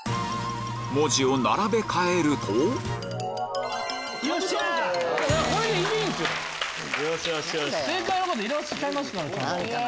文字を並べ替えると正解の方いらっしゃいますから。